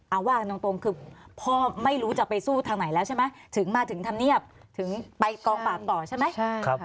เอาว่ากันตรงคือพ่อไม่รู้จะไปสู้ทางไหนแล้วใช่ไหมถึงมาถึงธรรมเนียบถึงไปกองปราบต่อใช่ไหม